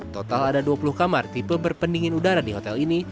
total ada dua puluh kamar tipe berpendingin udara di hotel ini